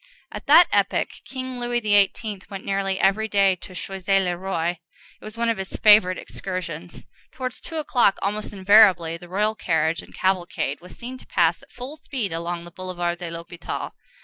At that epoch, King Louis XVIII. went nearly every day to Choisy le Roi: it was one of his favorite excursions. Towards two o'clock, almost invariably, the royal carriage and cavalcade was seen to pass at full speed along the Boulevard de l'Hôpital.